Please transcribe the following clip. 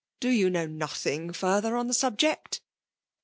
Do you know nothing further on the subject